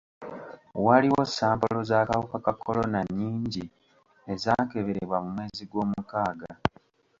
Waliwo sampolo z'akawuka ka kolona nnyingi ezaakeberebwa mu mwezi gwomukaaga.